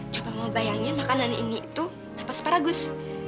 coba mau bayangin makanan ini itu sup asparagus